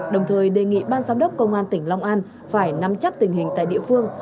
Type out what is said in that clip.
đồng thời đề nghị ban giám đốc công an tỉnh long an phải nắm chắc tình hình tại địa phương